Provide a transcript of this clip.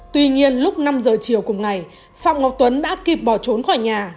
tuy nhiên lúc năm giờ chiều cùng ngày phạm ngọc tuấn đã kịp bỏ trốn khỏi nhà